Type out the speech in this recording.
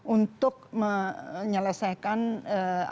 untuk menyelesaikan atau melakukan hal hal yang cukup kuat